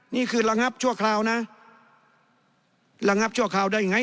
นี่คือระงับชั่วคราวนะระงับชั่วคราวได้ไง